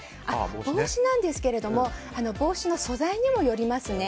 帽子なんですが帽子の素材にもよりますね。